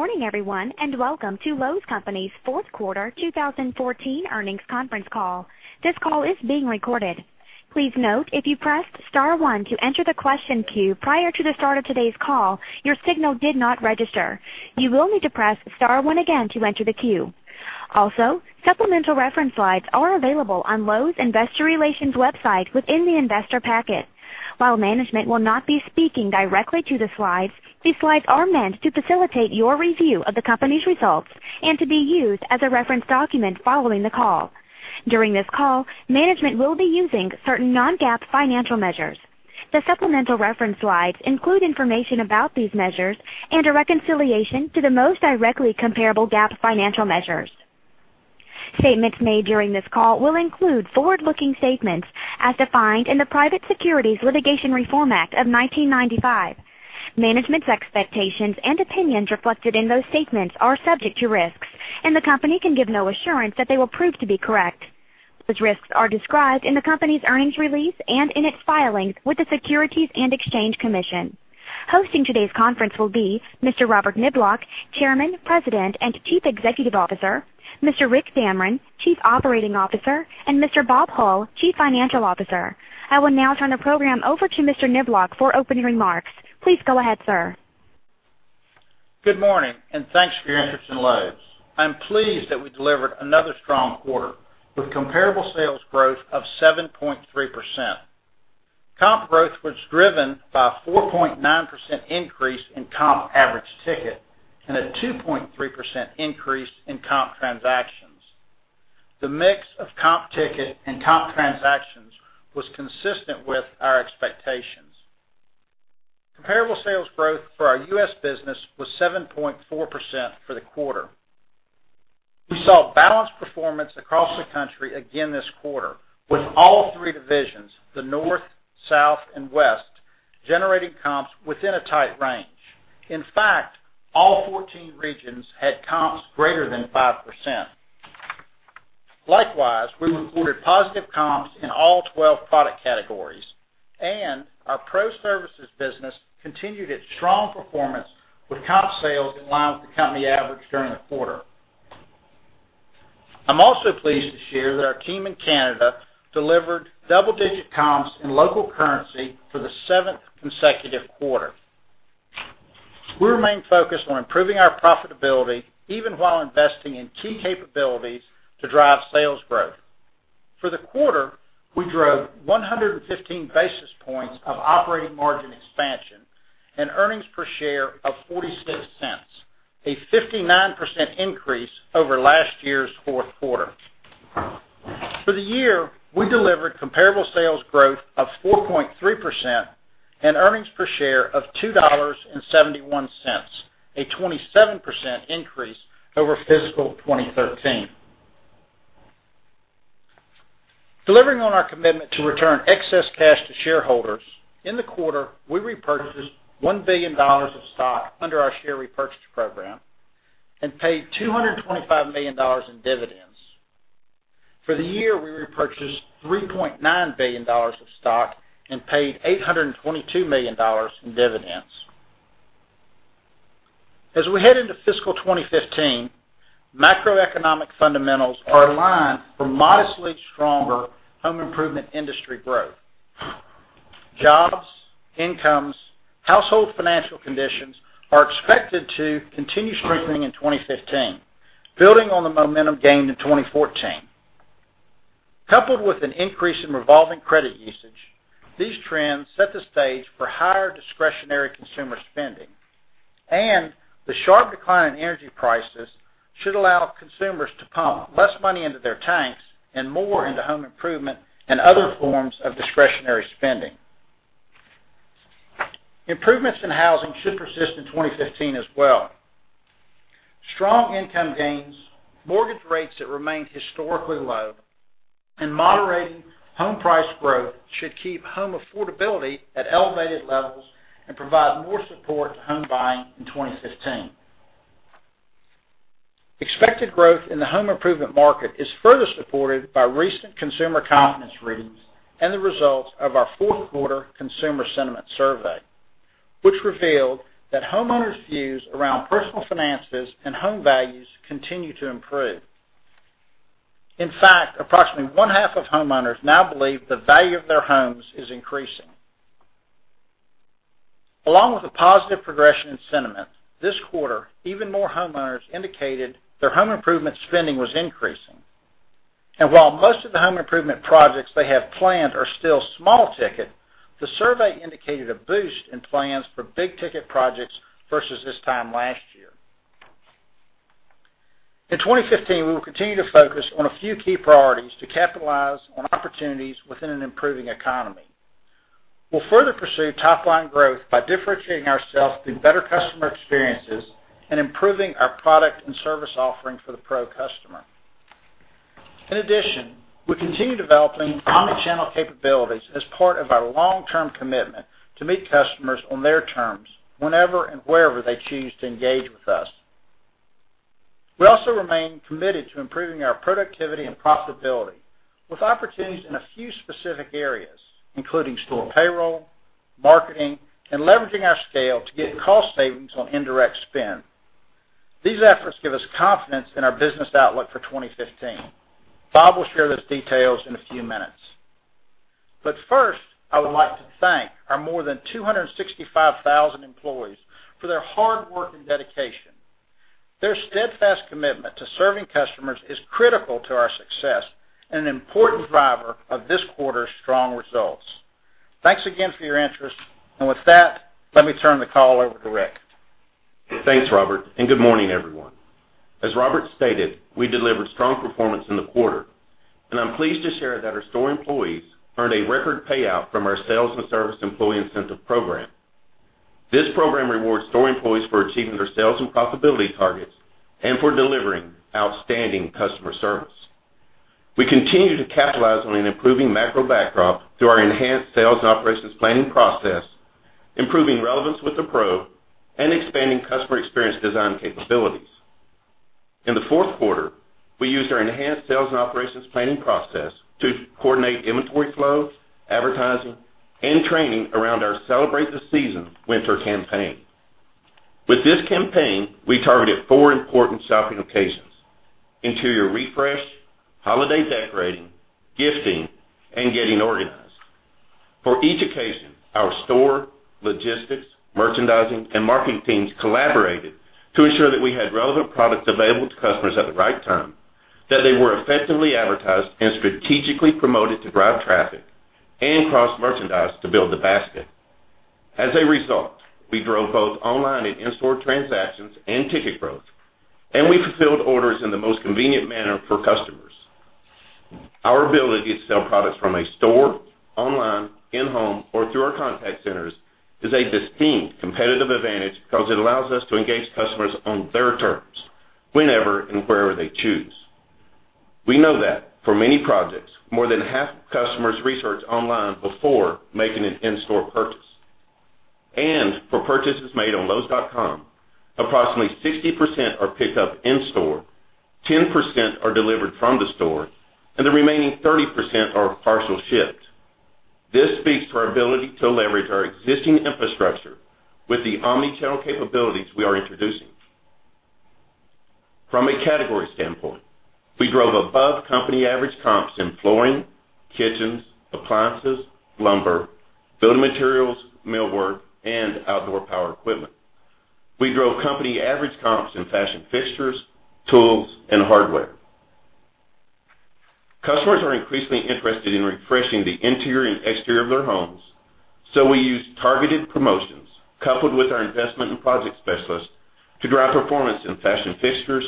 Good morning, everyone, and welcome to Lowe's Companies' fourth quarter 2014 earnings conference call. This call is being recorded. Please note, if you pressed star one to enter the question queue prior to the start of today's call, your signal did not register. You will need to press star one again to enter the queue. Also, supplemental reference slides are available on Lowe's Investor Relations website within the investor packet. While management will not be speaking directly to the slides, these slides are meant to facilitate your review of the company's results and to be used as a reference document following the call. During this call, management will be using certain non-GAAP financial measures. The supplemental reference slides include information about these measures and a reconciliation to the most directly comparable GAAP financial measures. Statements made during this call will include forward-looking statements as defined in the Private Securities Litigation Reform Act of 1995. Management's expectations and opinions reflected in those statements are subject to risks, and the company can give no assurance that they will prove to be correct. Those risks are described in the company's earnings release and in its filings with the Securities and Exchange Commission. Hosting today's conference will be Mr. Robert Niblock, Chairman, President, and Chief Executive Officer, Mr. Rick Damron, Chief Operating Officer, and Mr. Bob Hull, Chief Financial Officer. I will now turn the program over to Mr. Niblock for opening remarks. Please go ahead, sir. Good morning, thanks for your interest in Lowe's. I'm pleased that we delivered another strong quarter with comparable sales growth of 7.3%. Comp growth was driven by a 4.9% increase in comp average ticket and a 2.3% increase in comp transactions. The mix of comp ticket and comp transactions was consistent with our expectations. Comparable sales growth for our U.S. business was 7.4% for the quarter. We saw balanced performance across the country again this quarter with all three divisions, the North, South, and West, generating comps within a tight range. In fact, all 14 regions had comps greater than 5%. Likewise, we reported positive comps in all 12 product categories, and our pro services business continued its strong performance with comp sales in line with the company average during the quarter. I'm also pleased to share that our team in Canada delivered double-digit comps in local currency for the seventh consecutive quarter. We remain focused on improving our profitability, even while investing in key capabilities to drive sales growth. For the quarter, we drove 115 basis points of operating margin expansion and earnings per share of $0.46, a 59% increase over last year's fourth quarter. For the year, we delivered comparable sales growth of 4.3% and earnings per share of $2.71, a 27% increase over fiscal 2013. Delivering on our commitment to return excess cash to shareholders, in the quarter, we repurchased $1 billion of stock under our share repurchase program and paid $225 million in dividends. For the year, we repurchased $3.9 billion of stock and paid $822 million in dividends. As we head into fiscal 2015, macroeconomic fundamentals are aligned for modestly stronger home improvement industry growth. Jobs, incomes, household financial conditions are expected to continue strengthening in 2015, building on the momentum gained in 2014. Coupled with an increase in revolving credit usage, these trends set the stage for higher discretionary consumer spending. The sharp decline in energy prices should allow consumers to pump less money into their tanks and more into home improvement and other forms of discretionary spending. Improvements in housing should persist in 2015 as well. Strong income gains, mortgage rates that remain historically low, and moderating home price growth should keep home affordability at elevated levels and provide more support to home buying in 2015. Expected growth in the home improvement market is further supported by recent consumer confidence readings and the results of our fourth quarter consumer sentiment survey, which revealed that homeowners' views around personal finances and home values continue to improve. In fact, approximately one half of homeowners now believe the value of their homes is increasing. Along with the positive progression in sentiment, this quarter, even more homeowners indicated their home improvement spending was increasing. While most of the home improvement projects they have planned are still small ticket, the survey indicated a boost in plans for big-ticket projects versus this time last year. In 2015, we will continue to focus on a few key priorities to capitalize on opportunities within an improving economy. We'll further pursue top-line growth by differentiating ourselves through better customer experiences and improving our product and service offering for the pro customer. In addition, we continue developing omnichannel capabilities as part of our long-term commitment to meet customers on their terms whenever and wherever they choose to engage with us. We also remain committed to improving our productivity and profitability with opportunities in a few specific areas, including store payroll, marketing, and leveraging our scale to get cost savings on indirect spend. These efforts give us confidence in our business outlook for 2015. Bob will share those details in a few minutes. First, I would like to thank our more than 265,000 employees for their hard work and dedication. Their steadfast commitment to serving customers is critical to our success and an important driver of this quarter's strong results. Thanks again for your interest. With that, let me turn the call over to Rick. Thanks, Robert, and good morning, everyone. As Robert stated, we delivered strong performance in the quarter. I'm pleased to share that our store employees earned a record payout from our sales and service employee incentive program. This program rewards store employees for achieving their sales and profitability targets and for delivering outstanding customer service. We continue to capitalize on an improving macro backdrop through our enhanced sales and operations planning process, improving relevance with the pro, and expanding customer experience design capabilities. In the fourth quarter, we used our enhanced sales and operations planning process to coordinate inventory flows, advertising, and training around our Celebrate the Season Winter campaign. With this campaign, we targeted four important shopping occasions: interior refresh, holiday decorating, gifting, and getting organized. For each occasion, our store, logistics, merchandising, and marketing teams collaborated to ensure that we had relevant products available to customers at the right time, that they were effectively advertised and strategically promoted to drive traffic, and cross-merchandised to build the basket. As a result, we drove both online and in-store transactions and ticket growth, and we fulfilled orders in the most convenient manner for customers. Our ability to sell products from a store, online, in-home, or through our contact centers is a distinct competitive advantage because it allows us to engage customers on their terms, whenever and wherever they choose. We know that for many projects, more than half of customers research online before making an in-store purchase. For purchases made on lowes.com, approximately 60% are picked up in-store, 10% are delivered from the store, and the remaining 30% are partial shipped. This speaks to our ability to leverage our existing infrastructure with the omni-channel capabilities we are introducing. From a category standpoint, we drove above company average comps in flooring, kitchens, appliances, lumber, building materials, millwork, and outdoor power equipment. We drove company average comps in fashion fixtures, tools, and hardware. Customers are increasingly interested in refreshing the interior and exterior of their homes. We used targeted promotions coupled with our investment in project specialists to drive performance in fashion fixtures,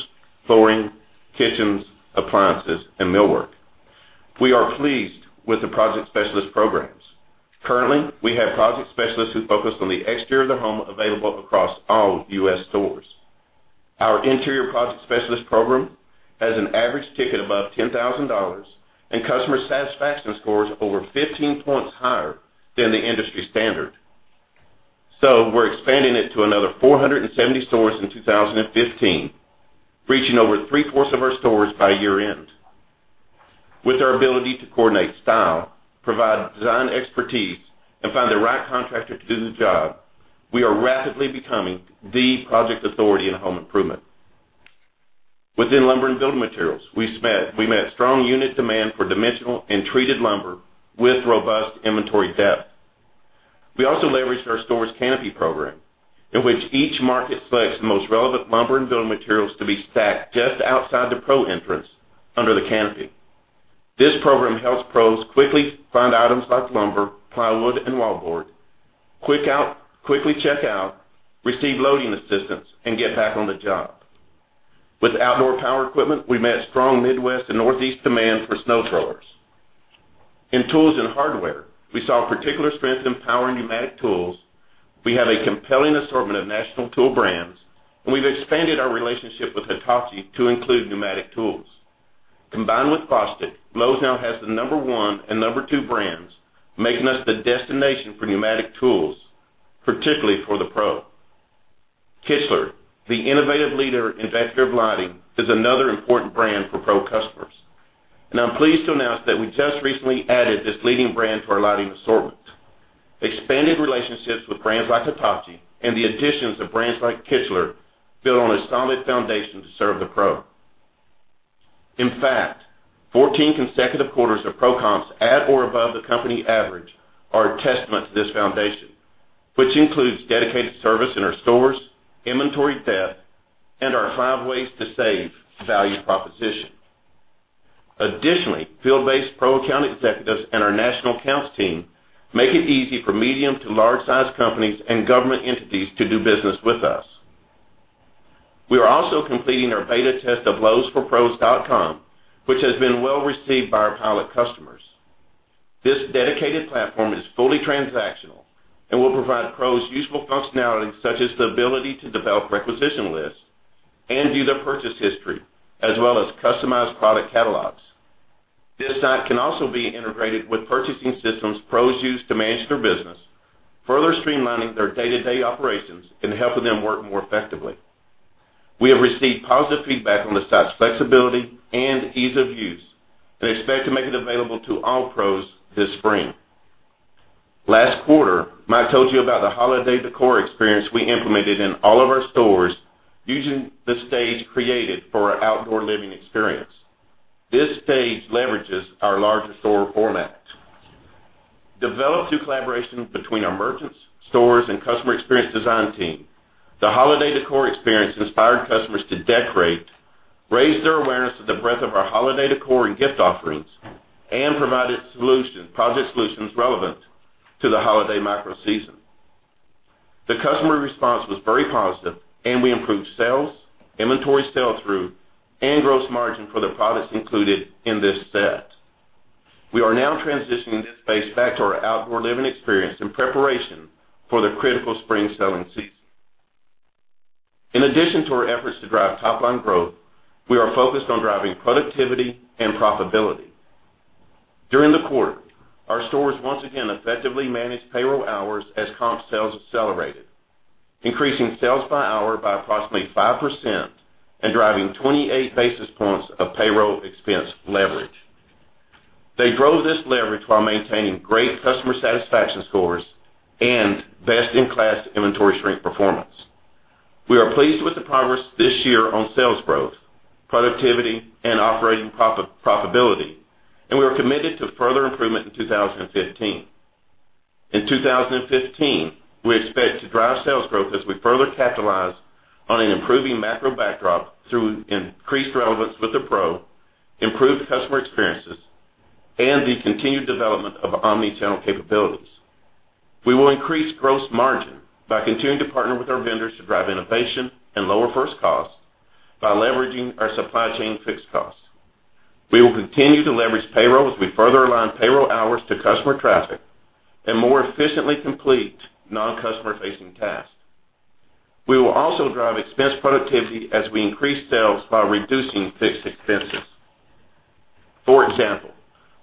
flooring, kitchens, appliances, and millwork. We are pleased with the project specialist programs. Currently, we have project specialists who focus on the exterior of the home available across all U.S. stores. Our interior project specialist program has an average ticket above $10,000 and customer satisfaction scores over 15 points higher than the industry standard. We're expanding it to another 470 stores in 2015, reaching over three-fourths of our stores by year-end. With our ability to coordinate style, provide design expertise, and find the right contractor to do the job, we are rapidly becoming the project authority in home improvement. Within lumber and building materials, we met strong unit demand for dimensional and treated lumber with robust inventory depth. We also leveraged our store's canopy program, in which each market selects the most relevant lumber and building materials to be stacked just outside the pro entrance under the canopy. This program helps pros quickly find items like lumber, plywood, and wallboard, quickly check out, receive loading assistance, and get back on the job. With outdoor power equipment, we met strong Midwest and Northeast demand for snow throwers. In tools and hardware, we saw particular strength in power and pneumatic tools. We have a compelling assortment of national tool brands, and we've expanded our relationship with Hitachi to include pneumatic tools. Combined with Bostitch, Lowe's now has the number one and number two brands, making us the destination for pneumatic tools, particularly for the pro. Kichler, the innovative leader in backyard lighting, is another important brand for pro customers. I'm pleased to announce that we just recently added this leading brand to our lighting assortment. Expanded relationships with brands like Hitachi and the additions of brands like Kichler build on a solid foundation to serve the pro. In fact, 14 consecutive quarters of pro comps at or above the company average are a testament to this foundation, which includes dedicated service in our stores, inventory depth, and our Five Ways to Save value proposition. Additionally, field-based pro account executives and our national accounts team make it easy for medium to large-size companies and government entities to do business with us. We are also completing our beta test of lowesforpros.com, which has been well-received by our pilot customers. This dedicated platform is fully transactional and will provide pros useful functionality such as the ability to develop requisition lists and view their purchase history, as well as customized product catalogs. This site can also be integrated with purchasing systems pros use to manage their business, further streamlining their day-to-day operations and helping them work more effectively. We have received positive feedback on the site's flexibility and ease of use, and expect to make it available to all pros this spring. Last quarter, Mike told you about the holiday decor experience we implemented in all of our stores using the stage created for our outdoor living experience. This stage leverages our larger store formats. Developed through collaboration between our merchants, stores, and customer experience design team, the holiday decor experience inspired customers to decorate, raise their awareness of the breadth of our holiday decor and gift offerings, and provided project solutions relevant to the holiday macro season. The customer response was very positive, and we improved sales, inventory sell-through, and gross margin for the products included in this set. We are now transitioning this space back to our outdoor living experience in preparation for the critical spring selling season. In addition to our efforts to drive top-line growth, we are focused on driving productivity and profitability. During the quarter, our stores once again effectively managed payroll hours as comp sales accelerated, increasing sales by hour by approximately 5% and driving 28 basis points of payroll expense leverage. They drove this leverage while maintaining great customer satisfaction scores and best-in-class inventory shrink performance. We are pleased with the progress this year on sales growth, productivity, and operating profitability, and we are committed to further improvement in 2015. In 2015, we expect to drive sales growth as we further capitalize on an improving macro backdrop through increased relevance with the pro, improved customer experiences, and the continued development of omni-channel capabilities. We will increase gross margin by continuing to partner with our vendors to drive innovation and lower first costs by leveraging our supply chain fixed costs. We will continue to leverage payroll as we further align payroll hours to customer traffic and more efficiently complete non-customer-facing tasks. We will also drive expense productivity as we increase sales while reducing fixed expenses. For example,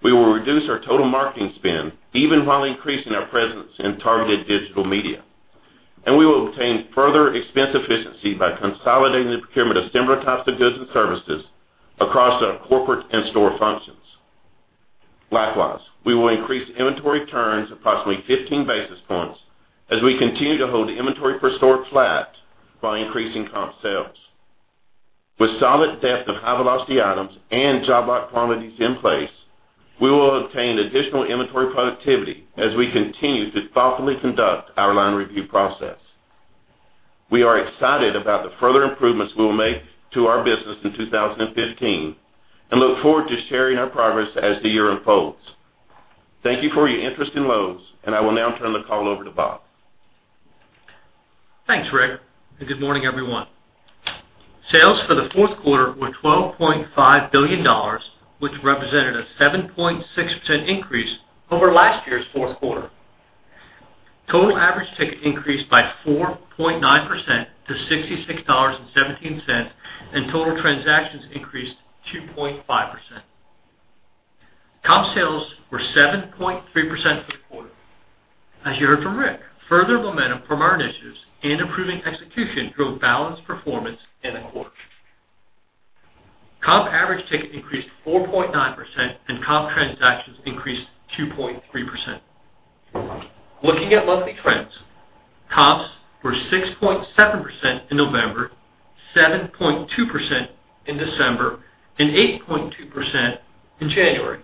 we will reduce our total marketing spend even while increasing our presence in targeted digital media, and we will obtain further expense efficiency by consolidating the procurement of similar types of goods and services across our corporate and store functions. Likewise, we will increase inventory turns approximately 15 basis points as we continue to hold inventory per store flat while increasing comp sales. With solid depth of high-velocity items and job lot quantities in place, we will obtain additional inventory productivity as we continue to thoughtfully conduct our line review process. We are excited about the further improvements we will make to our business in 2015 and look forward to sharing our progress as the year unfolds. Thank you for your interest in Lowe's, and I will now turn the call over to Bob. Thanks, Rick, and good morning, everyone. Sales for the fourth quarter were $12.5 billion, which represented a 7.6% increase over last year's fourth quarter. Total average ticket increased by 4.9% to $66.17, and total transactions increased 2.5%. Comp sales were 7.3% for the quarter. As you heard from Rick, further momentum from our initiatives and improving execution drove balanced performance in the quarter. Comp average ticket increased 4.9% and comp transactions increased 2.3%. Looking at monthly trends, comps were 6.7% in November, 7.2% in December, and 8.2% in January.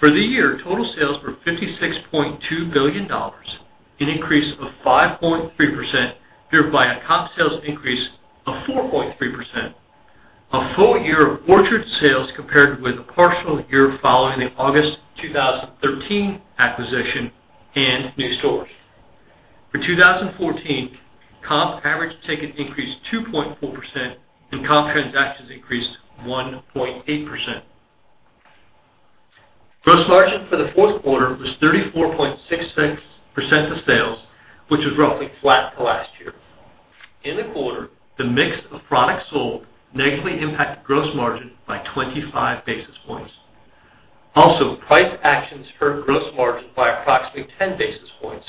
For the year, total sales were $56.2 billion, an increase of 5.3% driven by a comp sales increase of 4.3%, a full year of Orchard sales compared with a partial year following the August 2013 acquisition and new stores. For 2014, comp average tickets increased 2.4% and comp transactions increased 1.8%. Gross margin for the fourth quarter was 34.6% of sales, which was roughly flat to last year. In the quarter, the mix of products sold negatively impacted gross margin by 25 basis points. Price actions hurt gross margin by approximately 10 basis points.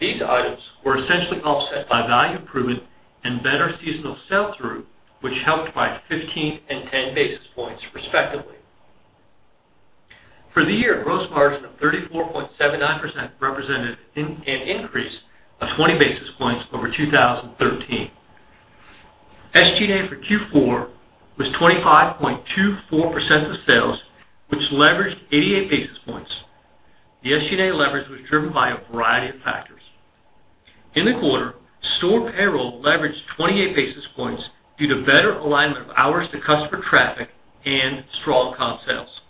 These items were essentially offset by value improvement and better seasonal sell-through, which helped by 15 and 10 basis points respectively. For the year, gross margin of 34.79% represented an increase of 20 basis points over 2013. SG&A for Q4 was 25.24% of sales, which leveraged 88 basis points. The SG&A leverage was driven by a variety of factors. In the quarter, store payroll leveraged 28 basis points due to better alignment of hours to customer traffic and strong comp sales.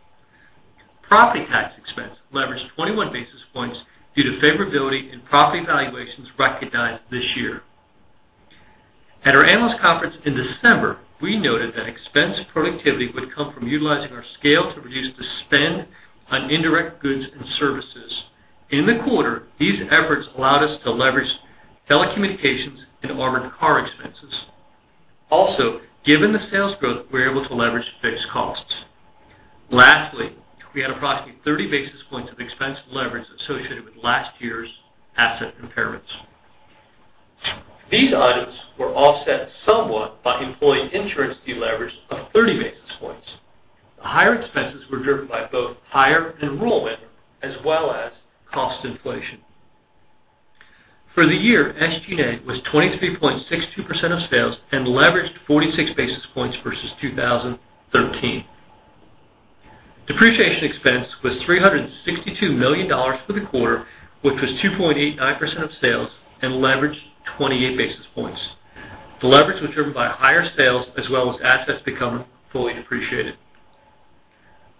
Property tax expense leveraged 21 basis points due to favorability in property valuations recognized this year. At our analyst conference in December, we noted that expense productivity would come from utilizing our scale to reduce the spend on indirect goods and services. In the quarter, these efforts allowed us to leverage telecommunications and armored car expenses. Given the sales growth, we were able to leverage fixed costs. Lastly, we had approximately 30 basis points of expense leverage associated with last year's asset impairments. These items were offset somewhat by employee insurance de-leverage of 30 basis points. The higher expenses were driven by both higher enrollment as well as cost inflation. For the year, SG&A was 23.62% of sales and leveraged 46 basis points versus 2013. Depreciation expense was $362 million for the quarter, which was 2.89% of sales and leveraged 28 basis points. The leverage was driven by higher sales as well as assets becoming fully depreciated.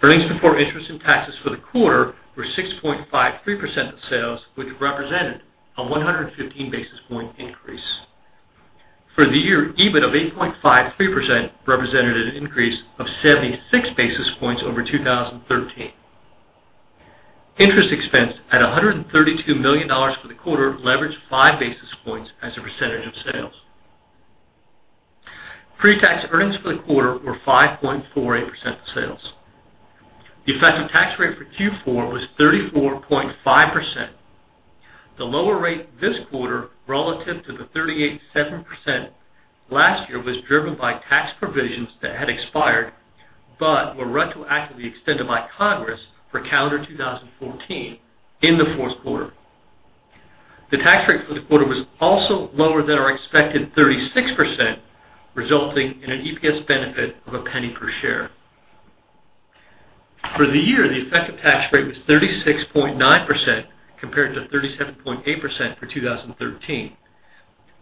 Earnings before interest and taxes for the quarter were 6.53% of sales, which represented a 115 basis point increase. For the year, EBIT of 8.53% represented an increase of 76 basis points over 2013. Interest expense at $132 million for the quarter leveraged five basis points as a percentage of sales. Pre-tax earnings for the quarter were 5.48% of sales. The effective tax rate for Q4 was 34.5%. The lower rate this quarter relative to the 38.7% last year was driven by tax provisions that had expired but were retroactively extended by Congress for calendar 2014 in the fourth quarter. The tax rate for the quarter was also lower than our expected 36%, resulting in an EPS benefit of $0.01 per share. For the year, the effective tax rate was 36.9% compared to 37.8% for 2013.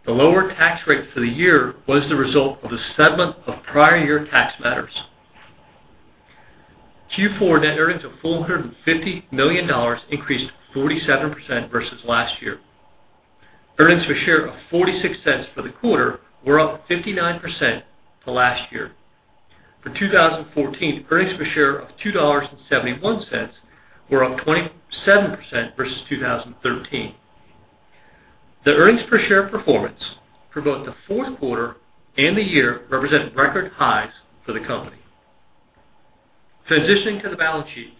The lower tax rate for the year was the result of a settlement of prior year tax matters. Q4 net earnings of $450 million increased 47% versus last year. Earnings per share of $0.46 for the quarter were up 59% to last year. For 2014, earnings per share of $2.71 were up 27% versus 2013. The earnings per share performance for both the fourth quarter and the year represent record highs for the company. Transitioning to the balance sheet,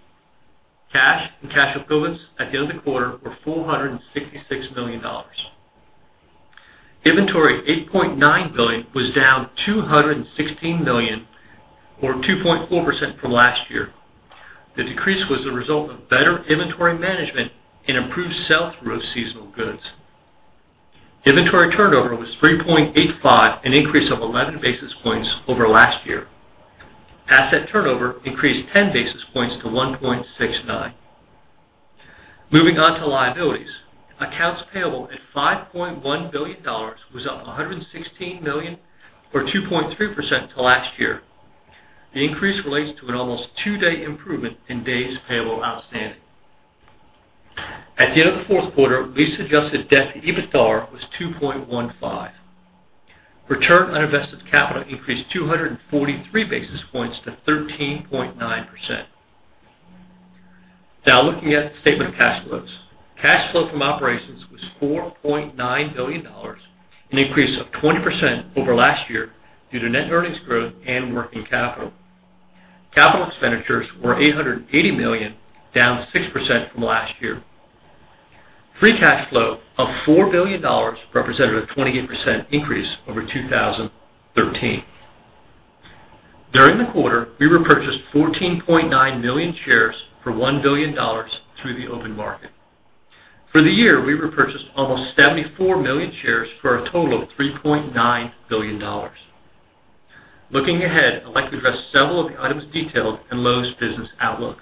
cash and cash equivalents at the end of the quarter were $466 million. Inventory, $8.9 billion, was down $216 million or 2.4% from last year. The decrease was the result of better inventory management and improved sell-through of seasonal goods. Inventory turnover was 3.85, an increase of 11 basis points over last year. Asset turnover increased 10 basis points to 1.69. Moving on to liabilities. Accounts payable at $5.1 billion was up $116 million or 2.2% to last year. The increase relates to an almost two-day improvement in days payable outstanding. At the end of the fourth quarter, lease-adjusted debt to EBITDAR was 2.15. Return on invested capital increased 243 basis points to 13.9%. Now looking at the statement of cash flows. Cash flow from operations was $4.9 billion, an increase of 20% over last year due to net earnings growth and working capital. Capital expenditures were $880 million, down 6% from last year. Free cash flow of $4 billion represented a 28% increase over 2013. During the quarter, we repurchased 14.9 million shares for $1 billion through the open market. For the year, we repurchased almost 74 million shares for a total of $3.9 billion. Looking ahead, I'd like to address several of the items detailed in Lowe's business outlook.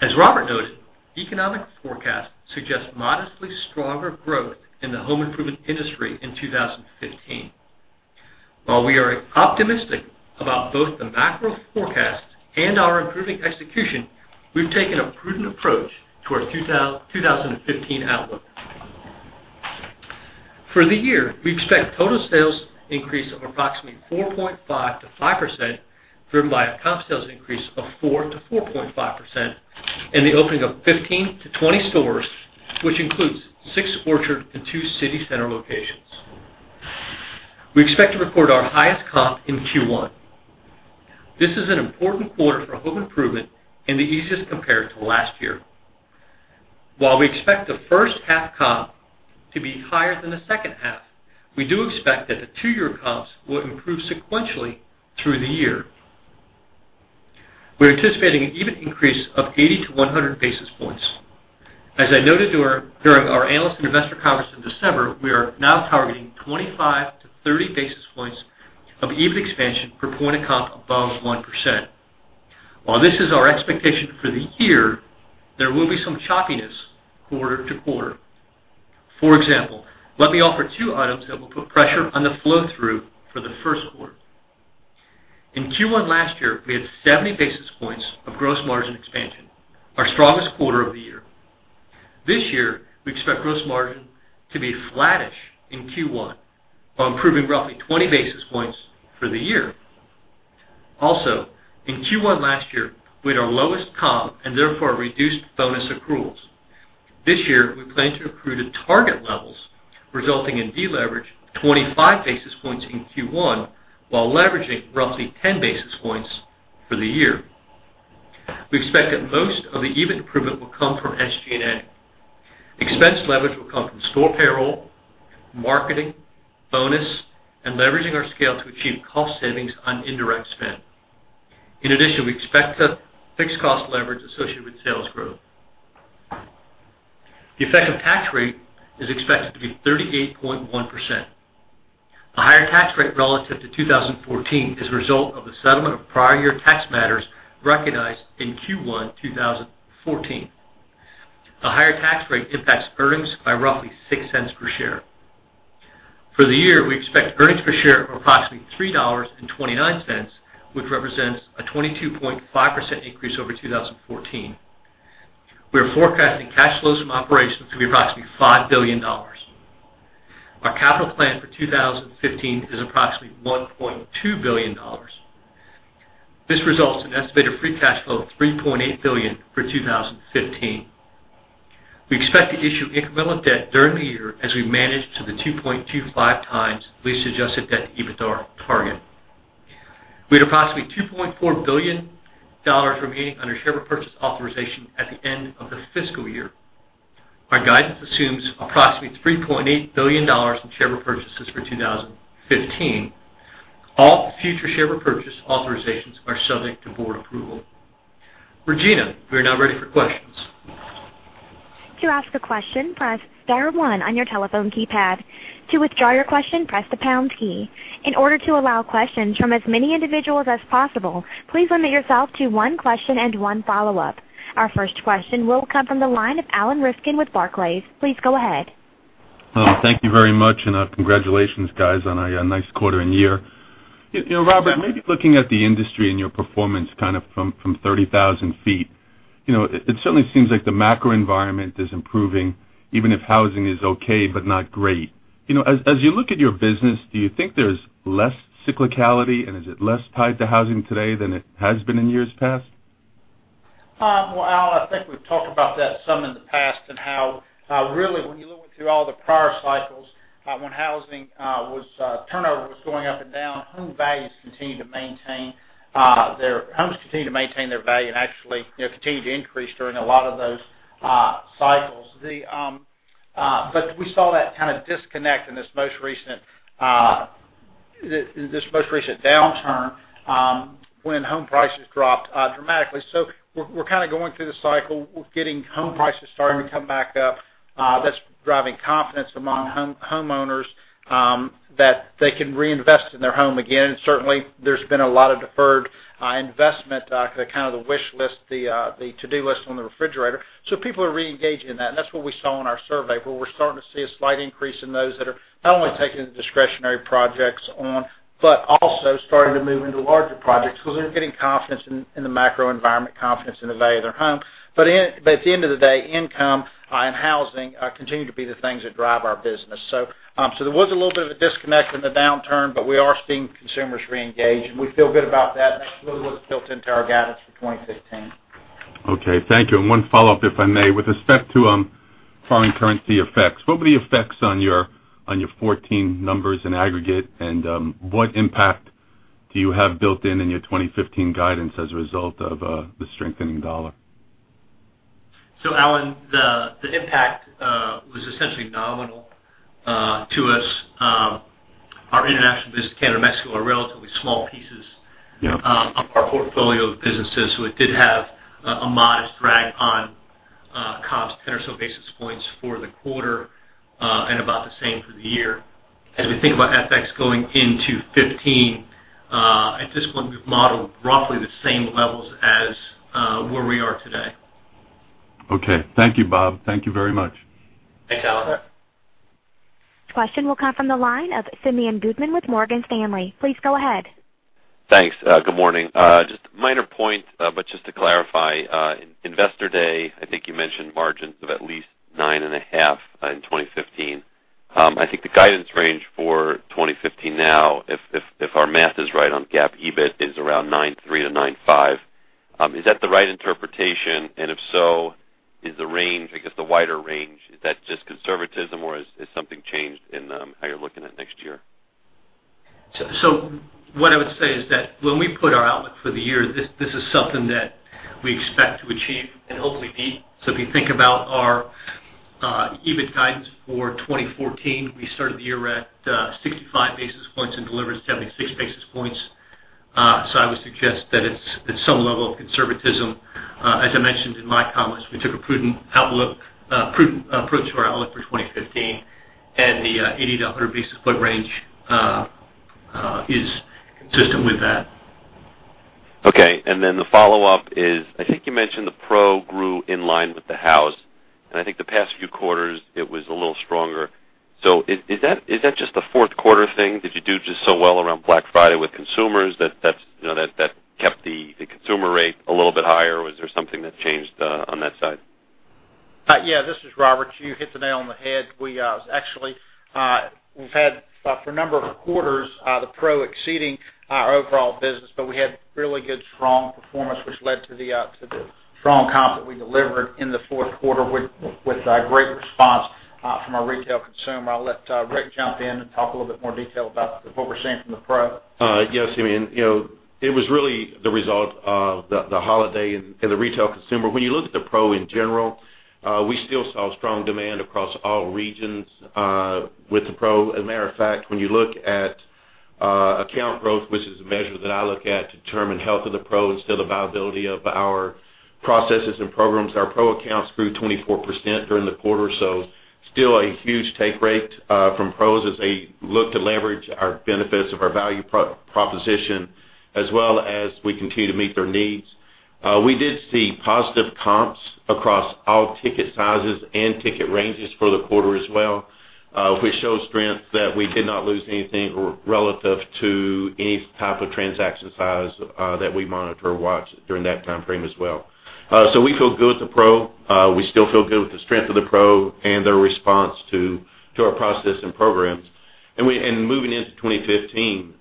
As Robert noted, economic forecasts suggest modestly stronger growth in the home improvement industry in 2015. While we are optimistic about both the macro forecast and our improving execution, we've taken a prudent approach to our 2015 outlook. For the year, we expect total sales increase of approximately 4.5%-5%, driven by a comp sales increase of 4%-4.5% and the opening of 15-20 stores, which includes 6 Orchard and 2 city center locations. We expect to record our highest comp in Q1. This is an important quarter for home improvement and the easiest compare to last year. While we expect the first half comp to be higher than the second half, we do expect that the two-year comps will improve sequentially through the year. We're anticipating an EBIT increase of 80-100 basis points. As I noted during our Analyst and Investor Conference in December, we are now targeting 25-30 basis points of EBIT expansion per point of comp above 1%. While this is our expectation for the year, there will be some choppiness quarter to quarter. For example, let me offer 2 items that will put pressure on the flow-through for the first quarter. In Q1 last year, we had 70 basis points of gross margin expansion, our strongest quarter of the year. This year, we expect gross margin to be flattish in Q1, while improving roughly 20 basis points for the year. Also, in Q1 last year, we had our lowest comp and therefore reduced bonus accruals. This year, we plan to accrue to target levels, resulting in deleverage of 25 basis points in Q1, while leveraging roughly 10 basis points for the year. We expect that most of the EBIT improvement will come from SG&A. Expense leverage will come from store payroll, marketing, bonus, and leveraging our scale to achieve cost savings on indirect spend. In addition, we expect the fixed cost leverage associated with sales growth. The effective tax rate is expected to be 38.1%. A higher tax rate relative to 2014 is a result of the settlement of prior year tax matters recognized in Q1 2014. The higher tax rate impacts earnings by roughly $0.06 per share. For the year, we expect earnings per share of approximately $3.29, which represents a 22.5% increase over 2014. We are forecasting cash flows from operations to be approximately $5 billion. Our capital plan for 2015 is approximately $1.2 billion. This results in an estimated free cash flow of $3.8 billion for 2015. We expect to issue incremental debt during the year as we manage to the 2.25 times lease adjusted debt to EBITDA target. We had approximately $2.4 billion remaining under share repurchase authorization at the end of the fiscal year. Our guidance assumes approximately $3.8 billion in share repurchases for 2015. All future share repurchase authorizations are subject to board approval. Regina, we are now ready for questions. To ask a question, press star one on your telephone keypad. To withdraw your question, press the pound key. In order to allow questions from as many individuals as possible, please limit yourself to one question and one follow-up. Our first question will come from the line of Alan Rifkin with Barclays. Please go ahead. Thank you very much, congratulations, guys, on a nice quarter and year. Robert, maybe looking at the industry and your performance from 30,000 feet, it certainly seems like the macro environment is improving, even if housing is okay but not great. As you look at your business, do you think there's less cyclicality, and is it less tied to housing today than it has been in years past? Well, Alan, I think we've talked about that some in the past and how really when you look through all the prior cycles, when housing turnover was going up and down, Homes continued to maintain their value and actually continued to increase during a lot of those cycles. We saw that kind of disconnect in this most recent downturn when home prices dropped dramatically. We're kind of going through the cycle. We're getting home prices starting to come back up. That's driving confidence among homeowners that they can reinvest in their home again, and certainly there's been a lot of deferred investment, kind of the wish list, the to-do list on the refrigerator. People are re-engaging in that, and that's what we saw in our survey, where we're starting to see a slight increase in those that are not only taking the discretionary projects on, but also starting to move into larger projects because they're getting confidence in the macro environment, confidence in the value of their home. At the end of the day, income and housing continue to be the things that drive our business. There was a little bit of a disconnect in the downturn, but we are seeing consumers re-engage, and we feel good about that, and that's a little of what's built into our guidance for 2015. Okay. Thank you. One follow-up, if I may. With respect to foreign currency effects, what were the effects on your 2014 numbers in aggregate, and what impact do you have built in in your 2015 guidance as a result of the strengthening dollar? Alan, the impact was essentially nominal to us. Our international business, Canada and Mexico, are relatively small pieces of our portfolio of businesses. It did have a modest drag on comps, 10 or so basis points for the quarter, and about the same for the year. As we think about FX going into 2015, at this point, we've modeled roughly the same levels as where we are today. Okay. Thank you, Bob. Thank you very much. Thanks, Alan. Question will come from the line of Simeon Gutman with Morgan Stanley. Please go ahead. Thanks. Good morning. Just a minor point, but just to clarify, Investor Day, I think you mentioned margins of at least 9.5% in 2015. I think the guidance range for 2015 now, if our math is right on GAAP, EBIT is around 9.3%-9.5%. Is that the right interpretation? If so, is the range, I guess the wider range, is that just conservatism, or has something changed in how you're looking at next year? What I would say is that when we put our outlook for the year, this is something that we expect to achieve and hopefully beat. If you think about our EBIT guidance for 2014, we started the year at 65 basis points and delivered 76 basis points. I would suggest that it's some level of conservatism. As I mentioned in my comments, we took a prudent approach to our outlook for 2015, and the 80 to 100 basis point range is consistent with that. Okay. The follow-up is, I think you mentioned the pro grew in line with the house, and I think the past few quarters, it was a little stronger. Is that just a fourth quarter thing? Did you do just so well around Black Friday with consumers that kept the consumer rate a little bit higher, or is there something that changed on that side? Yeah, this is Robert. You hit the nail on the head. We've had, for a number of quarters, the pro exceeding our overall business, but we had really good, strong performance, which led to the strong comp that we delivered in the fourth quarter with great response from our retail consumer. I'll let Rick jump in and talk a little bit more detail about what we're seeing from the pro. Yes. It was really the result of the holiday and the retail consumer. When you look at the pro in general, we still saw strong demand across all regions with the pro. As a matter of fact, when you look at account growth, which is a measure that I look at to determine health of the pro and still the viability of our processes and programs, our pro accounts grew 24% during the quarter. Still a huge take rate from pros as they look to leverage our benefits of our value proposition, as well as we continue to meet their needs. We did see positive comps across all ticket sizes and ticket ranges for the quarter as well, which shows strength that we did not lose anything relative to any type of transaction size that we monitor or watch during that timeframe as well. We feel good with the pro. We still feel good with the strength of the pro and their response to our process and programs. Moving into 2015,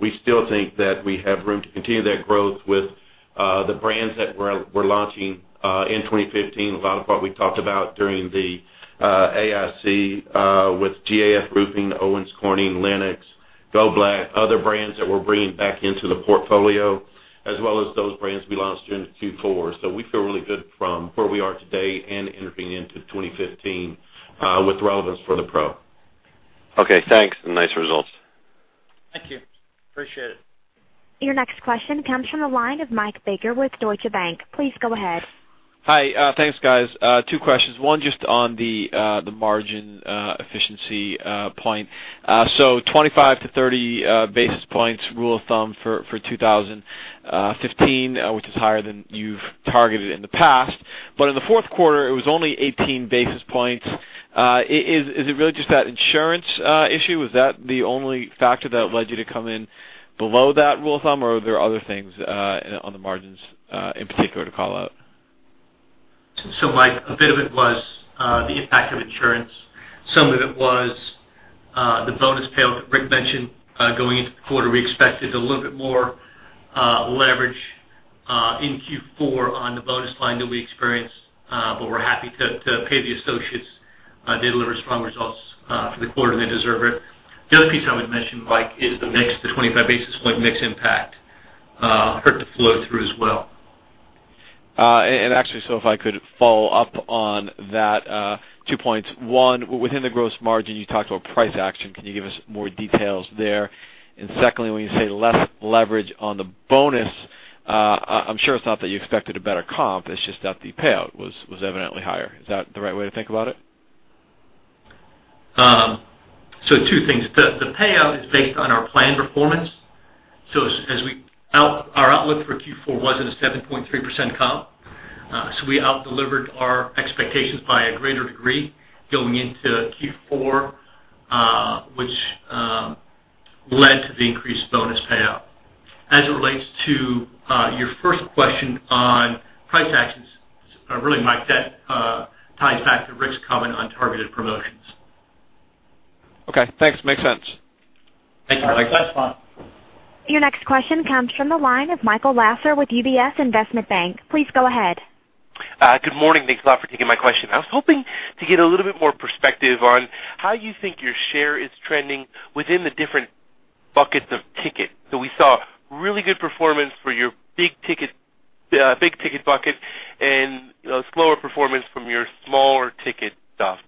we still think that we have room to continue that growth with the brands that we're launching in 2015. A lot of what we talked about during the AIC with GAF Roofing, Owens Corning, Lennox, Goldblatt, other brands that we're bringing back into the portfolio, as well as those brands we launched during the Q4. We feel really good from where we are today and entering into 2015 with relevance for the pro. Thanks, nice results. Thank you. Appreciate it. Your next question comes from the line of Mike Baker with Deutsche Bank. Please go ahead. Hi. Thanks, guys. Two questions. One, just on the margin efficiency point. 25-30 basis points rule of thumb for 2015, which is higher than you've targeted in the past. In the fourth quarter, it was only 18 basis points. Is it really just that insurance issue? Was that the only factor that led you to come in below that rule of thumb, or are there other things on the margins, in particular, to call out? Mike, a bit of it was the impact of insurance. Some of it was the bonus payout that Rick D. Damron mentioned. Going into the quarter, we expected a little bit more leverage in Q4 on the bonus line that we experienced, but we're happy to pay the associates. They delivered strong results for the quarter, and they deserve it. The other piece I would mention, Mike, is the mix, the 25 basis point mix impact hurt the flow through as well. If I could follow up on that, two points. One, within the gross margin, you talked about price action. Can you give us more details there? Secondly, when you say less leverage on the bonus, I'm sure it's not that you expected a better comp, it's just that the payout was evidently higher. Is that the right way to think about it? Two things. The payout is based on our planned performance. Our outlook for Q4 was at a 7.3% comp. We out delivered our expectations by a greater degree going into Q4, which led to the increased bonus payout. As it relates to your first question on price actions, really, Mike, that ties back to Rick D. Damron's comment on targeted promotions. Okay, thanks. Makes sense. Thank you, Mike. Last one. Your next question comes from the line of Michael Lasser with UBS Investment Bank. Please go ahead. Good morning. Thanks a lot for taking my question. I was hoping to get a little bit more perspective on how you think your share is trending within the different buckets of ticket. We saw really good performance for your big ticket bucket and slower performance from your smaller ticket stuff.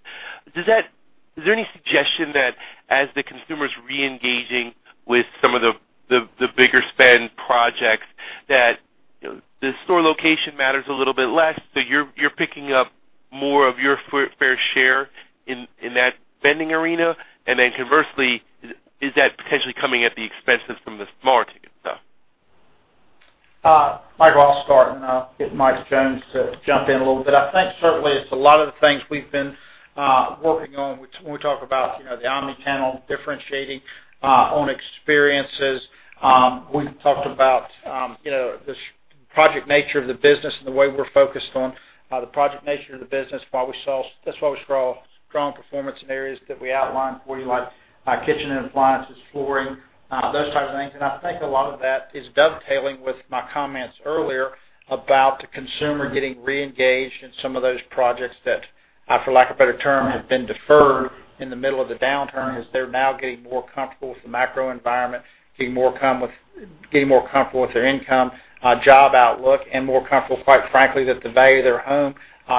Is there any suggestion that as the consumer's reengaging with some of the bigger spend projects, that the store location matters a little bit less, so you're picking up more of your fair share in that spending arena? Conversely, is that potentially coming at the expenses from the smaller ticket stuff? Mike, I'll start and I'll get Mike Jones to jump in a little bit. I think certainly it's a lot of the things we've been working on, when we talk about the omni-channel differentiating, own experiences. We've talked about this project nature of the business and the way we're focused on the project nature of the business, that's why we saw strong performance in areas that we outlined for you, like kitchen and appliances, flooring, those types of things. I think a lot of that is dovetailing with my comments earlier about the consumer getting reengaged in some of those projects that, for lack of a better term, have been deferred in the middle of the downturn, as they're now getting more comfortable with the macro environment, getting more comfortable with their income, job outlook, and more comfortable, quite frankly, that the value of their home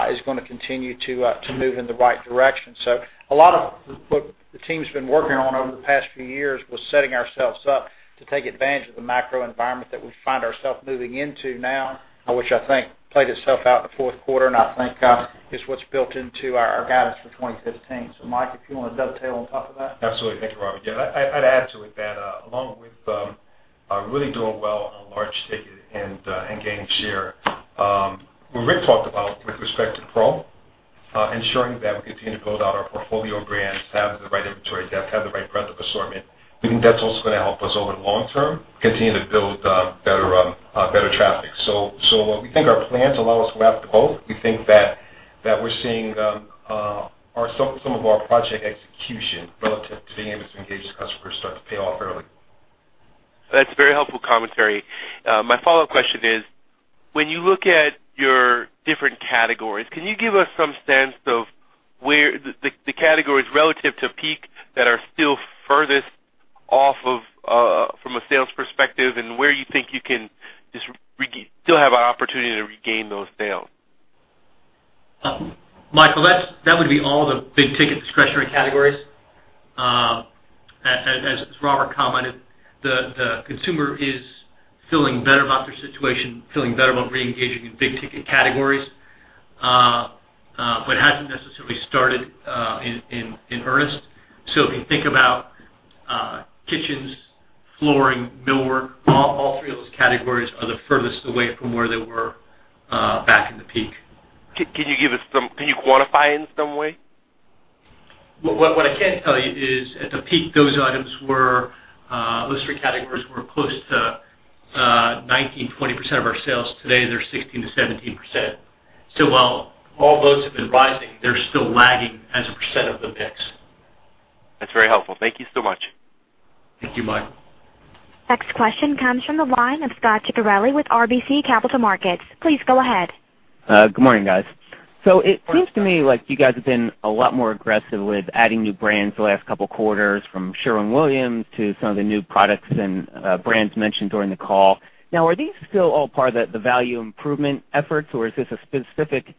is going to continue to move in the right direction. A lot of what the team's been working on over the past few years was setting ourselves up to take advantage of the macro environment that we find ourself moving into now, which I think played itself out in the fourth quarter, and I think is what's built into our guidance for 2015. Mike, if you want to dovetail on top of that. Absolutely. Thank you, Rob. Yeah, I'd add to it that along with really doing well on large ticket and gaining share, what Rick talked about with respect to pro, ensuring that we continue to build out our portfolio of brands, have the right inventory depth, have the right breadth of assortment. We think that's also going to help us over the long term continue to build better traffic. While we think our plans allow us to have both, we think that we're seeing some of our project execution relative to being able to engage the customer start to pay off early. That's very helpful commentary. My follow-up question is, when you look at your different categories, can you give us some sense of where the categories relative to peak that are still furthest off from a sales perspective, and where you think you can still have an opportunity to regain those sales? Michael, that would be all the big-ticket discretionary categories. As Robert commented, the consumer is feeling better about their situation, feeling better about re-engaging in big-ticket categories, but hasn't necessarily started in earnest. If you think about kitchens, flooring, millwork, all three of those categories are the furthest away from where they were back in the peak. Can you quantify in some way? What I can tell you is at the peak, those three categories were close to 19%, 20% of our sales. Today, they're 16%-17%. While all those have been rising, they're still lagging as a percent of the mix. That's very helpful. Thank you so much. Thank you, Michael. Next question comes from the line of Scot Ciccarelli with RBC Capital Markets. Please go ahead. Good morning, guys. It seems to me like you guys have been a lot more aggressive with adding new brands the last couple of quarters from Sherwin-Williams to some of the new products and brands mentioned during the call. Are these still all part of the value improvement efforts, or is this a specific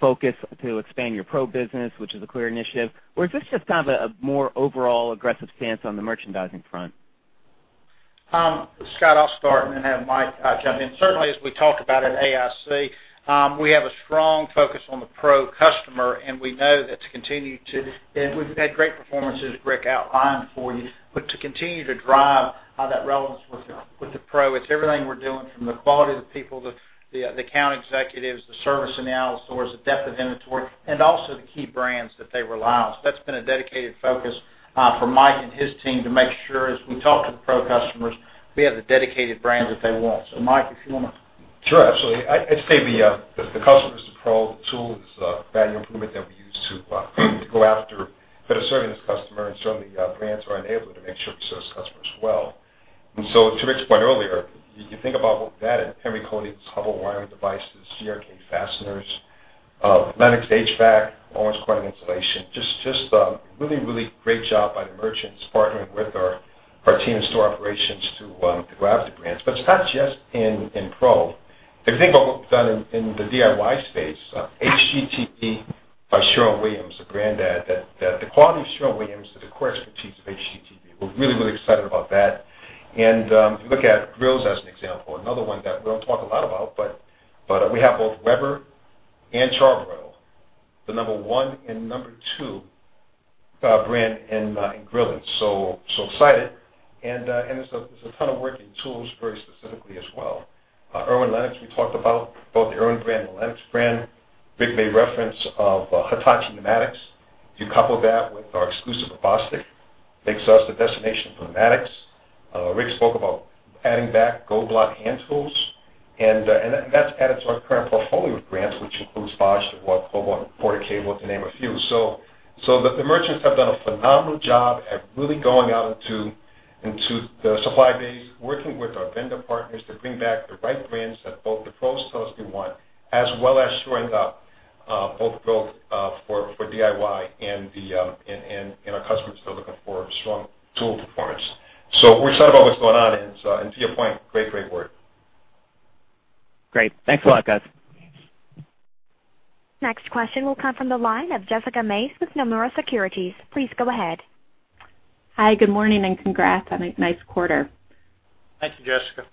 focus to expand your pro business, which is a clear initiative? Is this just kind of a more overall aggressive stance on the merchandising front? Scot, I'll start and then have Mike jump in. Certainly, as we talk about at AIC, we have a strong focus on the pro customer. We've had great performances Rick outlined for you. To continue to drive that relevance with the pro, it's everything we're doing from the quality of the people, the account executives, the service analysis, the depth of inventory, and also the key brands that they rely on. That's been a dedicated focus for Mike and his team to make sure as we talk to the pro customers, we have the dedicated brands that they want. Mike, if you want to- Sure. Absolutely. I'd say the customer is the pro. The tool is a value improvement that we use to go after better serving this customer, and certainly brands are enabling to make sure we serve this customer as well. To Rick's point earlier, you think about what we've added. Henry, Hubbell Wiring Devices, GRK Fasteners, Lennox HVAC, Owens Corning Insulation. Just a really, really great job by the merchants partnering with our team and store operations to grab the brands. It's not just in pro. If you think about what we've done in the DIY space, HGTV HOME by Sherwin-Williams, a brand add that the quality of Sherwin-Williams to the core expertise of HGTV. We're really, really excited about that. If you look at grills as an example, another one that we don't talk a lot about, but we have both Weber and Char-Broil, the number 1 and number 2 brand in grilling. Excited. There's a ton of work in tools very specifically as well. Irwin Tools we talked about, both the Irwin brand and the LENOX brand. Rick made reference of Hitachi pneumatics. If you couple that with our exclusive of Bostitch, makes us the destination for pneumatics. Rick spoke about adding back Goldblatt hand tools. That's added to our current portfolio of brands, which includes Bosch, DEWALT, Kobalt, Porter-Cable, to name a few. The merchants have done a phenomenal job at really going out into the supply base, working with our vendor partners to bring back the right brands that both the pros tell us they want, as well as shoring up both growth for DIY and our customers that are looking for strong tool performance. We're excited about what's going on. To your point, great work. Great. Thanks a lot, guys. Next question will come from the line of Jessica Mace with Nomura Securities. Please go ahead. Hi, good morning and congrats on a nice quarter. Thank you, Jessica.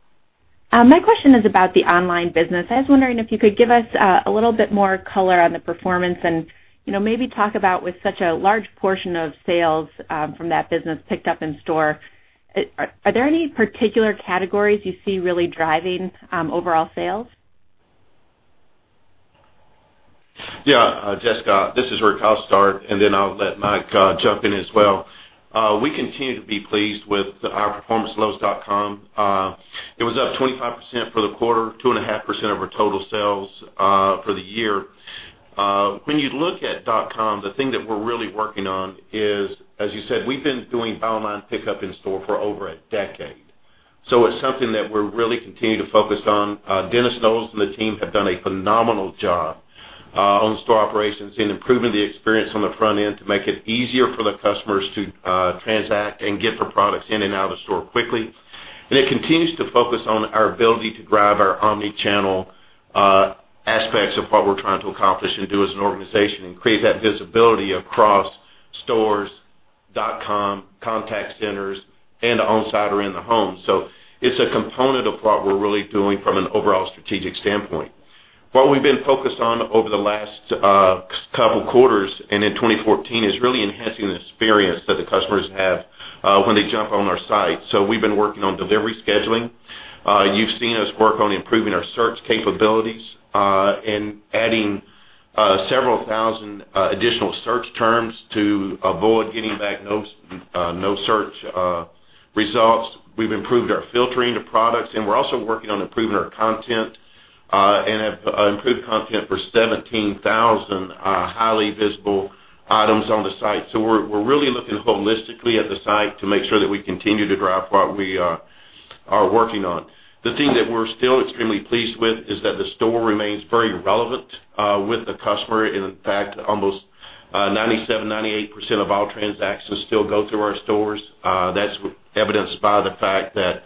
My question is about the online business. I was wondering if you could give us a little bit more color on the performance and maybe talk about with such a large portion of sales from that business picked up in store. Are there any particular categories you see really driving overall sales? Yeah. Jessica, this is Rick. I'll start, and then I'll let Mike jump in as well. We continue to be pleased with our performance at lowes.com. It was up 25% for the quarter, 2.5% of our total sales for the year. When you look at .com, the thing that we're really working on is, as you said, we've been doing online pickup in store for over a decade. It's something that we're really continuing to focus on. Dennis Knowles and the team have done a phenomenal job on store operations in improving the experience on the front end to make it easier for the customers to transact and get their products in and out of the store quickly. It continues to focus on our ability to drive our omni-channel aspects of what we're trying to accomplish and do as an organization and create that visibility across stores, .com, contact centers, and on-site or in the home. It's a component of what we're really doing from an overall strategic standpoint. What we've been focused on over the last couple quarters and in 2014 is really enhancing the experience that the customers have when they jump on our site. We've been working on delivery scheduling. You've seen us work on improving our search capabilities and adding several thousand additional search terms to avoid getting back no search results. We've improved our filtering of products, we're also working on improving our content We have improved content for 17,000 highly visible items on the site. We're really looking holistically at the site to make sure that we continue to drive what we are working on. The thing that we're still extremely pleased with is that the store remains very relevant with the customer. In fact, almost 97%, 98% of all transactions still go through our stores. That's evidenced by the fact that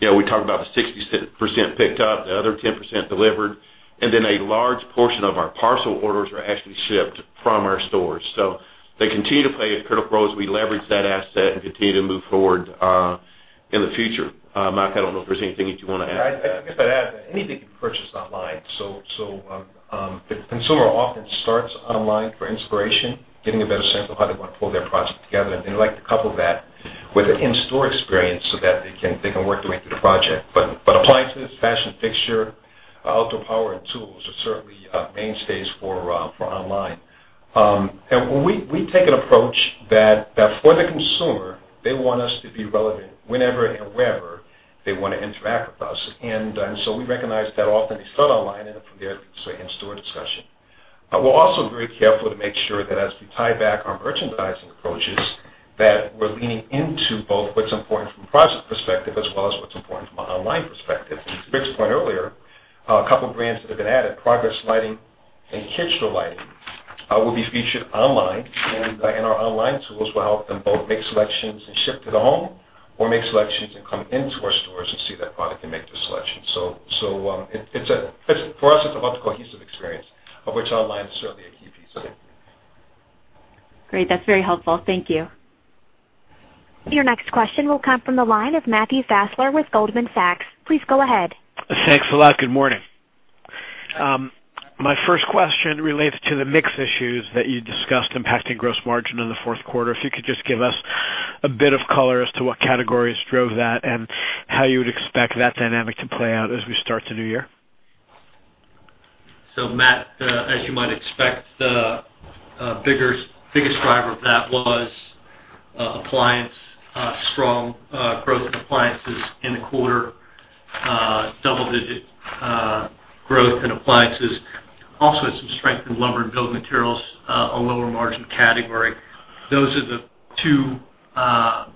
we talk about the 60% picked up, the other 10% delivered, and then a large portion of our parcel orders are actually shipped from our stores. They continue to play a critical role as we leverage that asset and continue to move forward in the future. [Mike], I don't know if there's anything that you want to add to that. I guess I'd add that anything can be purchased online. The consumer often starts online for inspiration, getting a better sense of how they want to pull their project together. They like to couple that with an in-store experience so that they can work their way through the project. Appliances, fashion, fixture, outdoor power and tools are certainly a mainstay for online. We take an approach that for the consumer, they want us to be relevant whenever and wherever they want to interact with us. We recognize that often they start online and then from there, it leads to an in-store discussion. We're also very careful to make sure that as we tie back our merchandising approaches, that we're leaning into both what's important from a project perspective as well as what's important from an online perspective. To Rick's point earlier, a couple of brands that have been added, Progress Lighting and Kichler Lighting will be featured online. Our online tools will help them both make selections and ship to the home or make selections and come into our stores and see that product and make the selection. For us, it's about the cohesive experience, of which online is certainly a key piece. Great. That's very helpful. Thank you. Your next question will come from the line of Matthew Fassler with Goldman Sachs. Please go ahead. Thanks a lot. Good morning. My first question relates to the mix issues that you discussed impacting gross margin in the fourth quarter. If you could just give us a bit of color as to what categories drove that and how you would expect that dynamic to play out as we start the new year. Matt, as you might expect, the biggest driver of that was appliance. Strong growth in appliances in the quarter. Double-digit growth in appliances. Also had some strength in lumber and building materials, a lower margin category. Those are the two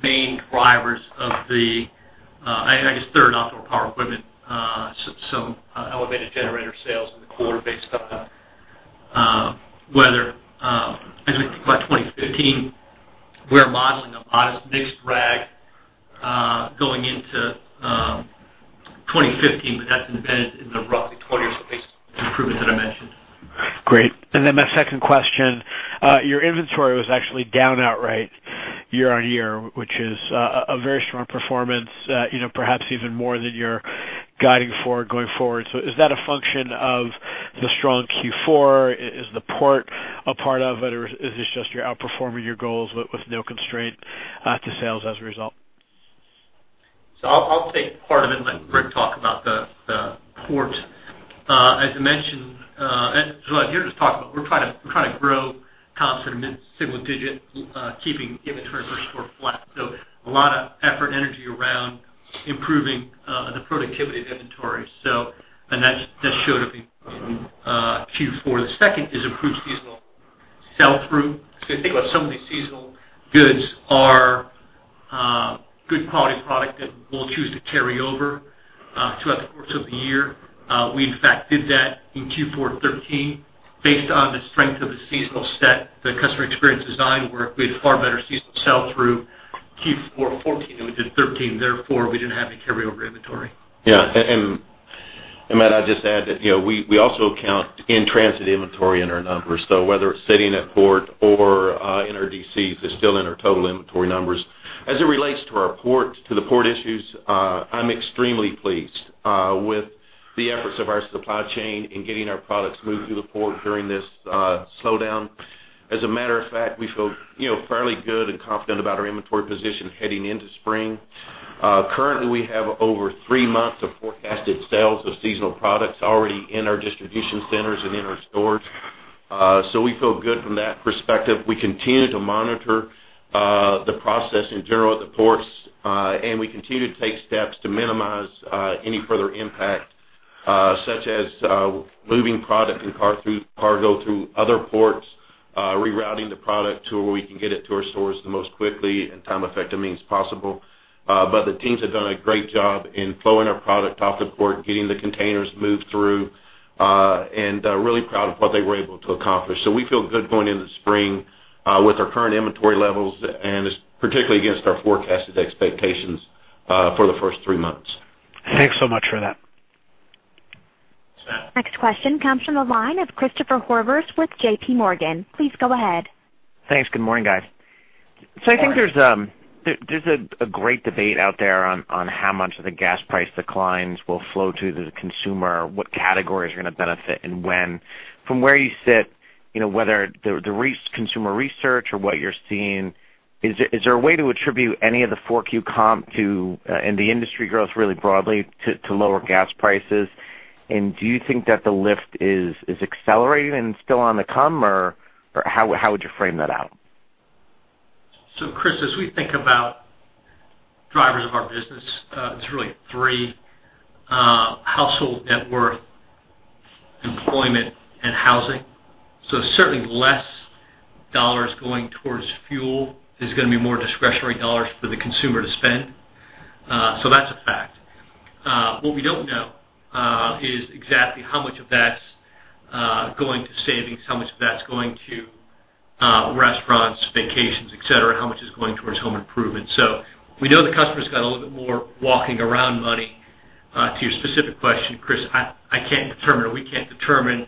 main drivers of outdoor power equipment. Some elevated generator sales in the quarter based on weather. As we think about 2015, we're modeling a modest mix drag going into 2015, but that's embedded in the roughly 20 or so basis improvements that I mentioned. Great. My second question, your inventory was actually down outright year-over-year, which is a very strong performance, perhaps even more than you're guiding for going forward. Is that a function of the strong Q4? Is the port a part of it? Is this just you're outperforming your goals with no constraint to sales as a result? I'll take part of it and let Rick talk about the port. As you mentioned, as you were just talking about, we're trying to grow comps at a mid-single digit, keeping inventory and store flat. A lot of effort, energy around improving the productivity of inventory. That showed up in Q4. The second is improved seasonal sell-through. If you think about some of these seasonal goods are good quality product that we'll choose to carry over throughout the course of the year. We, in fact, did that in Q4 2013 based on the strength of the seasonal set, the customer experience design work. We had far better seasonal sell-through Q4 2014 than we did 2013, therefore, we didn't have any carryover inventory. Yeah. Matt, I'd just add that we also count in-transit inventory in our numbers. Whether it's sitting at port or in our DCs, it's still in our total inventory numbers. As it relates to the port issues, I'm extremely pleased with the efforts of our supply chain in getting our products moved through the port during this slowdown. As a matter of fact, we feel fairly good and confident about our inventory position heading into spring. Currently, we have over three months of forecasted sales of seasonal products already in our distribution centers and in our stores. We feel good from that perspective. We continue to monitor the process in general at the ports, and we continue to take steps to minimize any further impact, such as moving product and cargo through other ports, rerouting the product to where we can get it to our stores the most quickly and time-effective means possible. The teams have done a great job in flowing our product off the port, getting the containers moved through, and really proud of what they were able to accomplish. We feel good going into the spring with our current inventory levels, and particularly against our forecasted expectations for the first three months. Thanks so much for that. Next question comes from the line of Christopher Horvers with JPMorgan. Please go ahead. Thanks. Good morning, guys. Good morning. I think there's a great debate out there on how much of the gas price declines will flow to the consumer, what categories are going to benefit and when. From where you sit, whether the consumer research or what you're seeing, is there a way to attribute any of the 4Q comp to, and the industry growth really broadly, to lower gas prices? Do you think that the lift is accelerating and still on to come, or how would you frame that out? Chris, as we think about drivers of our business, it's really three: household net worth, employment, and housing. Certainly less dollars going towards fuel is going to be more discretionary dollars for the consumer to spend. That's a fact. What we don't know is exactly how much of that's going to savings, how much of that's going to restaurants, vacations, et cetera, how much is going towards home improvement. We know the customer's got a little bit more walking around money. To your specific question, Chris, I can't determine or we can't determine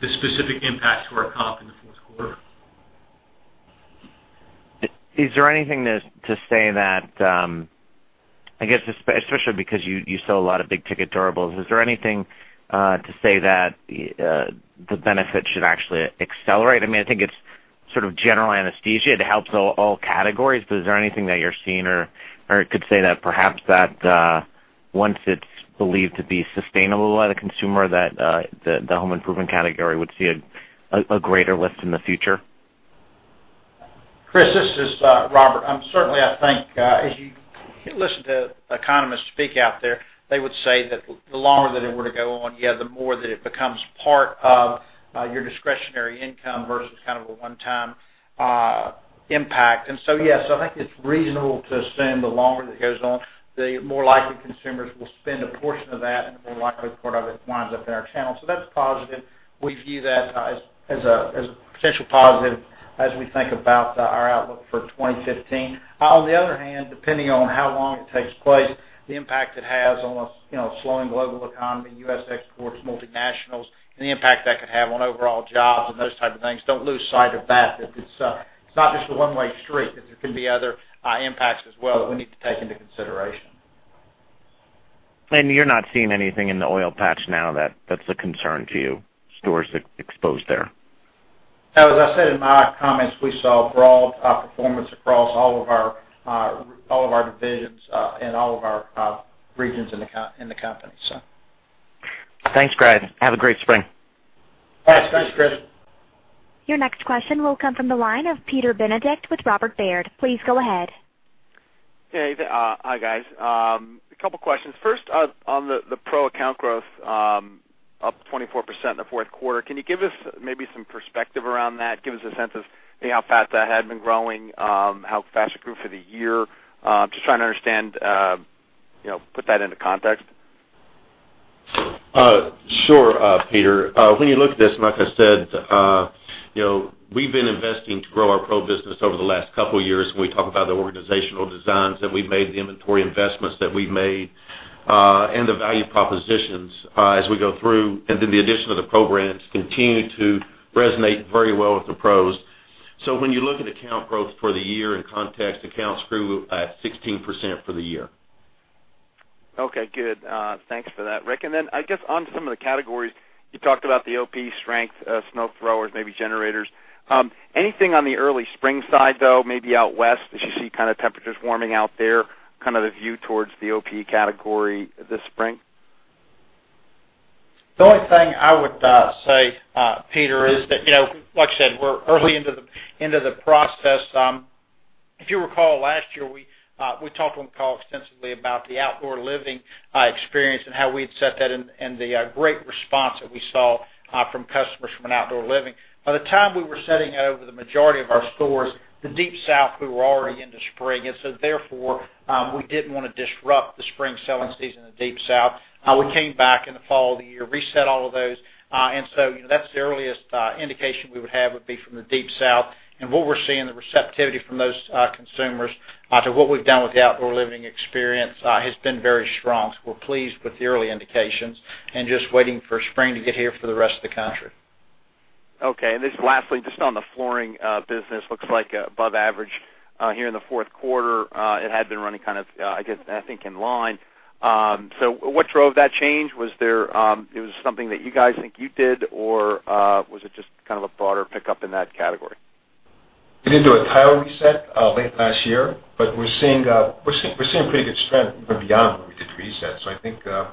the specific impact to our comp in the fourth quarter. Is there anything to say that, I guess, especially because you sell a lot of big-ticket durables, is there anything to say that the benefit should actually accelerate? I think it's sort of general anesthesia. It helps all categories, but is there anything that you're seeing or could say that perhaps that once it's believed to be sustainable by the consumer, that the home improvement category would see a greater lift in the future? Christopher, this is Robert. Certainly, I think as you listen to economists speak out there, they would say that the longer that it were to go on, yeah, the more that it becomes part of your discretionary income versus kind of a one-time impact. Yes, I think it's reasonable to assume the longer that goes on, the more likely consumers will spend a portion of that, and the more likely part of it winds up in our channel. That's positive. We view that as a potential positive as we think about our outlook for 2015. On the other hand, depending on how long it takes place, the impact it has on a slowing global economy, U.S. exports, multinationals, and the impact that could have on overall jobs and those type of things. Don't lose sight of that it's not just a one-way street, that there can be other impacts as well that we need to take into consideration. You're not seeing anything in the oil patch now that's a concern to you, stores exposed there. No, as I said in my comments, we saw broad performance across all of our divisions and all of our regions in the company. Thanks, guys. Have a great spring. Thanks, Chris. Your next question will come from the line of Peter Benedict with Robert Baird. Please go ahead. Hey. Hi, guys. A couple questions. First, on the pro account growth up 24% in the fourth quarter, can you give us maybe some perspective around that? Give us a sense of how fast that had been growing, how fast it grew for the year. Just trying to understand, put that into context. Sure, Peter. You look at this, like I said, we've been investing to grow our pro business over the last couple of years. We talk about the organizational designs that we've made, the inventory investments that we've made, and the value propositions as we go through. The addition of the programs continue to resonate very well with the pros. When you look at account growth for the year in context, accounts grew at 16% for the year. Okay, good. Thanks for that, Rick. I guess, on some of the categories, you talked about the OP strength, snow throwers, maybe generators. Anything on the early spring side, though, maybe out west, as you see temperatures warming out there, the view towards the OP category this spring? The only thing I would say, Peter, is that like I said, we're early into the process. If you recall, last year, we talked on the call extensively about the outdoor living experience and how we had set that and the great response that we saw from customers from an outdoor living. By the time we were setting that over the majority of our stores, the Deep South, we were already into spring, therefore, we didn't want to disrupt the spring selling season in the Deep South. We came back in the fall of the year, reset all of those. That's the earliest indication we would have would be from the Deep South. What we're seeing, the receptivity from those consumers to what we've done with the outdoor living experience has been very strong. We're pleased with the early indications and just waiting for spring to get here for the rest of the country. Okay, this lastly, just on the flooring business, looks like above average here in the fourth quarter. It had been running kind of, I guess, I think, in line. What drove that change? It was something that you guys think you did, or was it just kind of a broader pickup in that category? We did do a tile reset late last year, we're seeing pretty good strength even beyond where we did the reset. I think I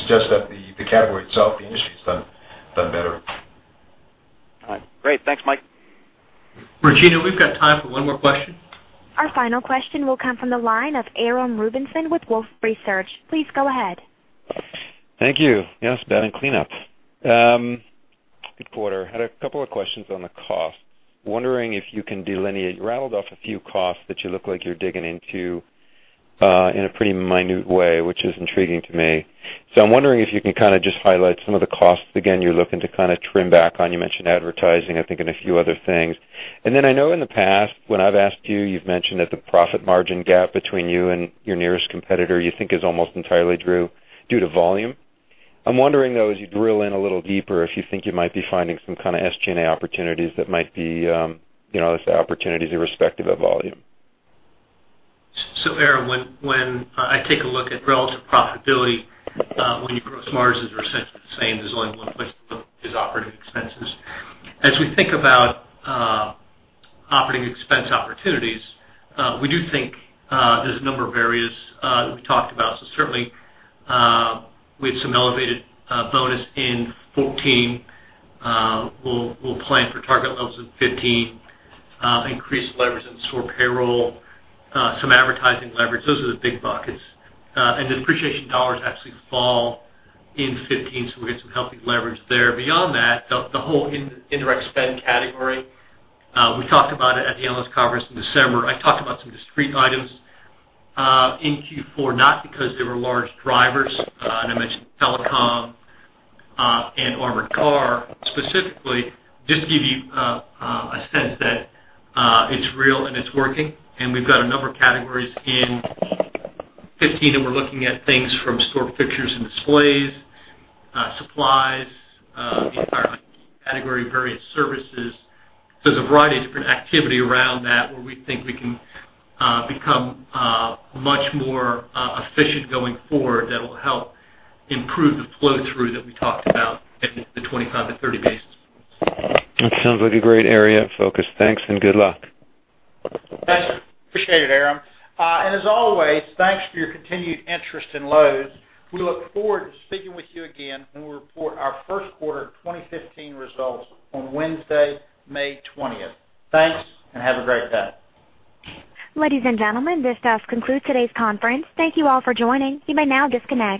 suggest that the category itself, the industry, has done better. All right. Great. Thanks, Mike. Regina, we've got time for one more question. Our final question will come from the line of Aram Rubinson with Wolfe Research. Please go ahead. Thank you. Yes, batting cleanup. Good quarter. Had a couple of questions on the cost. Wondering if you can delineate. You rattled off a few costs that you look like you're digging into in a pretty minute way, which is intriguing to me. I'm wondering if you can kind of just highlight some of the costs again you're looking to kind of trim back on. You mentioned advertising, I think, and a few other things. I know in the past when I've asked you've mentioned that the profit margin gap between you and your nearest competitor you think is almost entirely due to volume. I'm wondering, though, as you drill in a little deeper, if you think you might be finding some kind of SG&A opportunities that might be opportunities irrespective of volume. Aaron, when I take a look at relative profitability, when your gross margins are essentially the same, there's only one place to look, is operating expenses. As we think about operating expense opportunities, we do think there's a number of areas that we've talked about. Certainly, we had some elevated bonus in 2014. We'll plan for target levels in 2015, increased leverage in store payroll, some advertising leverage. Those are the big buckets. Depreciation dollars actually fall in 2015, so we get some healthy leverage there. Beyond that, the whole indirect spend category, we talked about it at the analyst conference in December. I talked about some discrete items in Q4, not because they were large drivers, and I mentioned telecom and armored car specifically, just to give you a sense that it's real and it's working. We've got a number of categories in 2015, and we're looking at things from store fixtures and displays, supplies, entire category, various services. There's a variety of different activity around that where we think we can become much more efficient going forward that will help improve the flow-through that we talked about in the 25 to 30 basis points. That sounds like a great area of focus. Thanks, and good luck. Thanks. Appreciate it, Aaron. As always, thanks for your continued interest in Lowe's. We look forward to speaking with you again when we report our first quarter 2015 results on Wednesday, May 20th. Thanks, and have a great day. Ladies and gentlemen, this does conclude today's conference. Thank you all for joining. You may now disconnect.